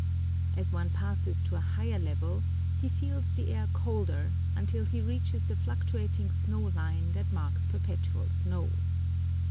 As one passes to a higher level, he feels the air colder, until he reaches the fluctuating snow line that marks perpetual snow.